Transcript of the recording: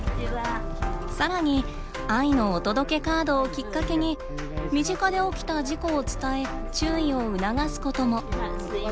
さらに「愛のお届けカード」をきっかけに身近で起きた事故を伝え注意を促すことも。